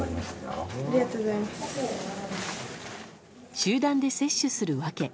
集団で接種する訳。